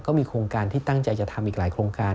ก็มีโครงการที่ตั้งใจจะทำอีกหลายโครงการ